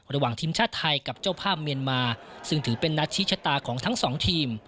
ระหว่างทีมชาติไทยกับเจ้าภาพเมียนมาซึ่งถือเป็นนัดชี้ชะตาของทั้งสองทีม